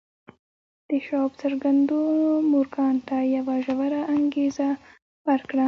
د شواب څرګندونو مورګان ته یوه ژوره انګېزه ورکړه